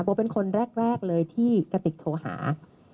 เป็นคนแรกเลยที่กระติกโทรหา